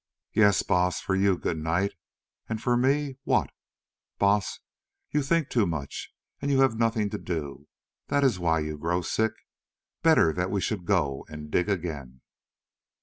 "Yes, Baas, for you good night, and for me, what? Baas, you think too much and you have nothing to do, that is why you grow sick. Better that we should go and dig again."